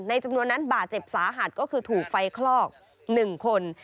จำนวนนั้นบาดเจ็บสาหัสก็คือถูกไฟคลอก๑คน